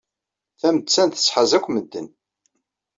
Tamettant tettḥaz akk imdanen.